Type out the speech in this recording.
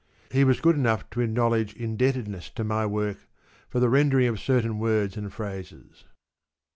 He was good enough to acknowledge indebtedness to my work, "for the rendering of certain words and phrases."